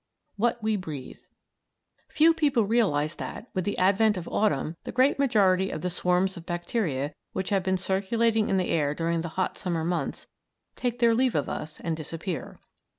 WHAT WE BREATHE Few people realise that, with the advent of autumn, the great majority of the swarms of bacteria which have been circulating in the air during the hot summer months take their leave of us and disappear.